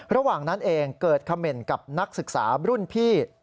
ระหว่างนั้นเองเกิดเขม่นกับนักศึกษารุ่นพี่